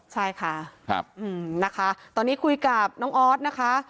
ใช่ค่ะนะคะตอนนี้คุยกับน้องออสนะคะ